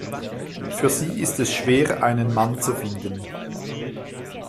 Für sie ist es schwer einen Mann zu finden.